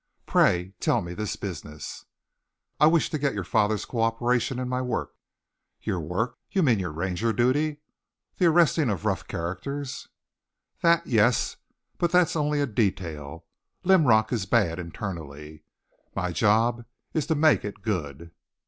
Pray tell me this business." "I wished to get your father's cooperation in my work." "Your work? You mean your Ranger duty the arresting of rough characters?" "That, yes. But that's only a detail. Linrock is bad internally. My job is to make it good."